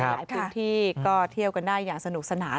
หลายพื้นที่ก็เที่ยวกันได้อย่างสนุกสนาน